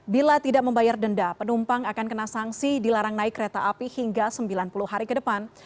bila tidak membayar denda penumpang akan kena sanksi dilarang naik kereta api hingga sembilan puluh hari ke depan